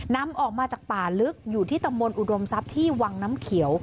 นำออกมาจากป่าลึกอยู่ที่ตำบลอุดมทรัพย์ที่วังน้ำเขียว